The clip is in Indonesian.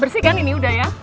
bersih kan ini udah ya